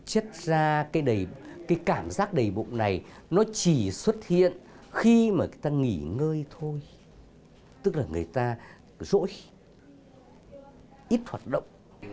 chất ra cái cảm giác đầy bụng này nó chỉ xuất hiện khi mà người ta nghỉ ngơi thôi tức là người ta rỗi ít hoạt động